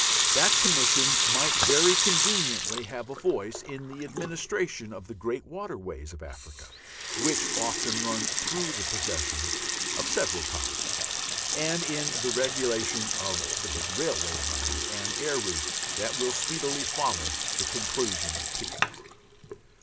That Commission might very conveniently have a voice in the administration of the great waterways of Africa (which often run through the possessions of several Powers) and in the regulation of the big railway lines and air routes that will speedily follow the conclusion of peace.